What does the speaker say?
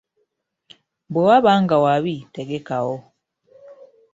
Bwe waba nga wabi, tegekawo.